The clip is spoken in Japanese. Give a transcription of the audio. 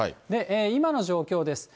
今の状況です。